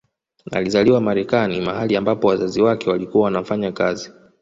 Alizaliwa Marekani mahali ambapo wazazi wake walikuwa wanafanya kazi